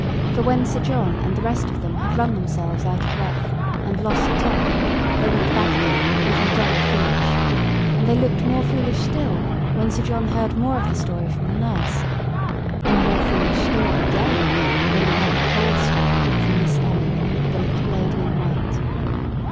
For, when Sir John and the rest of them had run themselves out of breath, and lost Tom, they went back again, looking very foolish. And they looked more foolish still when Sir John heard more of the story from the nurse; and more foolish still, again, when they heard the whole story from Miss Ellie, the little lady in white.